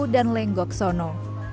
dan lenggok sono